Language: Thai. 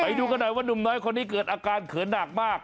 ไปดูกันหน่อยว่านุ่มน้อยคนนี้เกิดอาการเขินหนักมาก